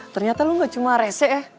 ternyata lu gak cuma rese ya